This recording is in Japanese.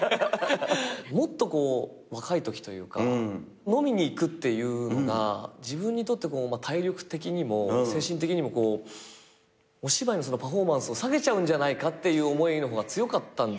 もっと若いときというか飲みに行くっていうのが自分にとって体力的にも精神的にもお芝居のパフォーマンスを下げちゃうんじゃないかっていう思いの方が強かったんですよ。